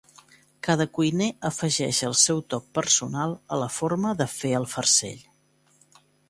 Cada cuiner afegeix el seu toc personal a la forma de fer el farcell.